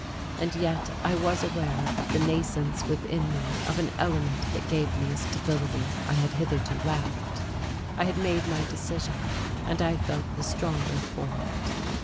And yet I was aware of the nascence within me of an element that gave me a stability I had hitherto lacked: I had made my decision, and I felt the stronger for it.